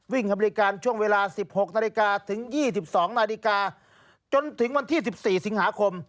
บริการช่วงเวลา๑๖นาฬิกาถึง๒๒นาฬิกาจนถึงวันที่๑๔สิงหาคม